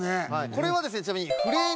これはですねちなみに。